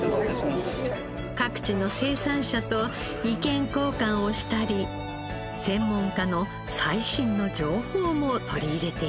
各地の生産者と意見交換をしたり専門家の最新の情報も取り入れています。